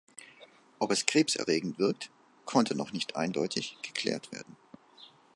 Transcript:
Ob es krebserregend wirkt, konnte noch nicht eindeutig geklärt werden.